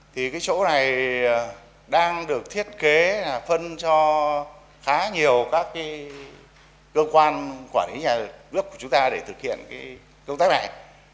thì cái chỗ này đang được thiết kế phân cho khá nhiều các cơ quan quản lý nhà nước của chúng ta để thực hiện công tác này